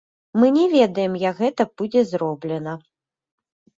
Мы не ведаем, як гэта будзе зроблена.